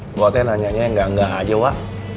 buatnya nanyanya gak gak aja wak